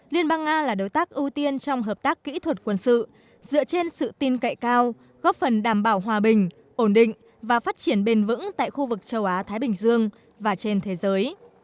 liên bang nga là đối tác ưu tiên trong hợp tác kỹ thuật quân sự dựa trên sự tin cậy cao góp phần đảm bảo hòa bình ổn định và phát triển bền vững tại khu vực châu á thái bình dương và trên thế giới